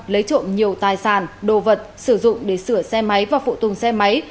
lấy trộm nhiều tài sản đồ vật sử dụng để sửa xe máy và phụ tùng xe máy